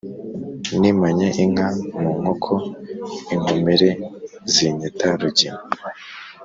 nimanye inka mu nkoko, inkomere zinyita rugina.